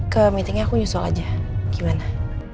ke meetingnya aku nyusul aja gimana